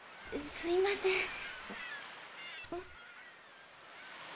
すいません。